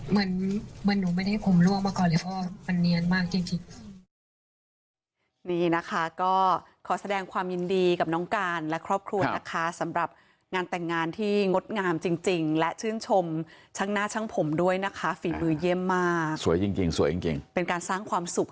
เหมือนหนูไม่ได้ให้ผมร่วงมาก่อนเลยเพราะว่ามันเนียนมากจริงจริง